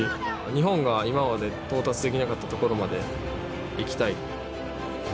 日本が今まで、到達できなかったところまで行きたい。